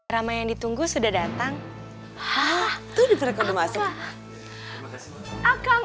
ramai yang ditunggu sudah datang hah tuh diperkenalkan